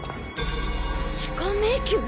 地下迷宮？